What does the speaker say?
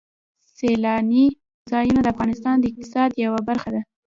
سیلاني ځایونه د افغانستان د اقتصاد یوه برخه ده.